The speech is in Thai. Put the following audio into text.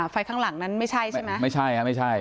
ไฟข้างหลังนั้นไม่ใช่ใช่ไหม